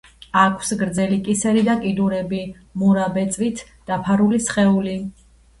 აქვს გრძელი კისერი და კიდურები, მურა ბეწვით დაფარული სხეული.